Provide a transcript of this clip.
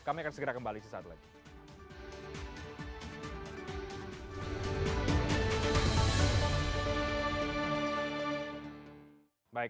kami akan segera kembali sesaat lagi